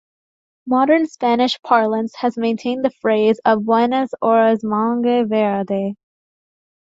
Modern Spanish parlance has maintained the phrase a buenas horas, mangas verdes!